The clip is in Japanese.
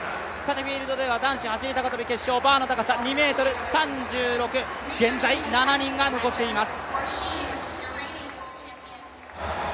フィールドでは男子走高跳決勝、バーの高さ２ｍ３６、現在７人が残っています。